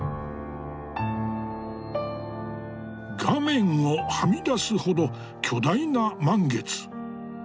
画面をはみ出すほど巨大な満月。